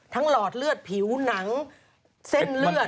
หลอดเลือดผิวหนังเส้นเลือด